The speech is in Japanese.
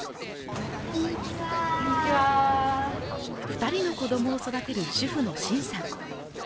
二人の子どもを育てる主婦の辛さん